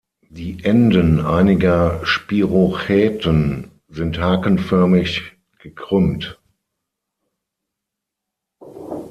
Die Enden einiger Spirochäten sind hakenförmig gekrümmt.